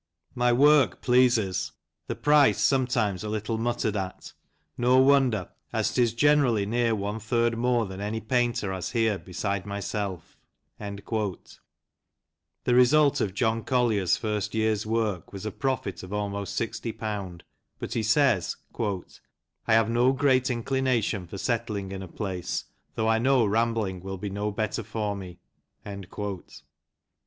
My work pleases, the price sometimes a little muttered at ; no wonder, as 'tis generally near one third more than any painter has here beside myself" The result of John Collier's first year's work was a profit of almost ^60, but he says : "I have no great inclination for settling in a place, though I know rambling will be no better for me."